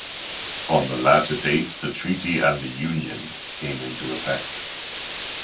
On the latter date the Treaty and the Union came into effect.